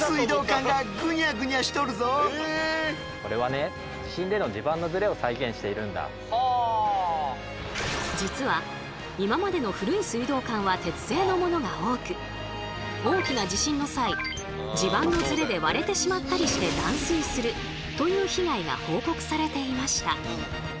これはね実は今までの古い水道管は鉄製のものが多く大きな地震の際地盤のズレで割れてしまったりして断水するという被害が報告されていました。